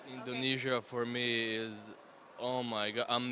indonesia untukku adalah oh tuhan luar biasa luar biasa